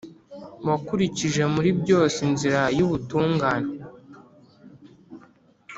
wakurikije muri byose inzira y’ubutungane.